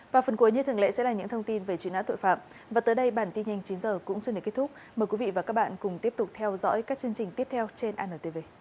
và phần cuối như thường lệ sẽ là những thông tin về chuyến án tội phạm